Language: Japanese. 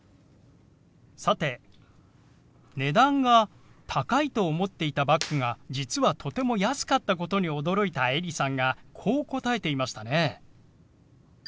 さて値段が高いと思っていたバッグが実はとても安かったことに驚いたエリさんがこう答えていましたね。